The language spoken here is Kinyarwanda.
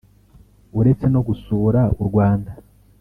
uretse no gusura u Rwanda